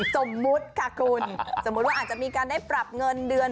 สมมุติค่ะคุณสมมุติว่าอาจจะมีการได้ปรับเงินเดือน